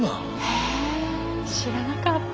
へえ知らなかった。